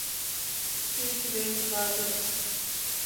Seat belt বাঁধো।